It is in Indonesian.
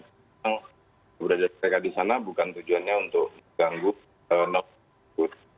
karena berada mereka di sana bukan tujuannya untuk mengganggu nelayan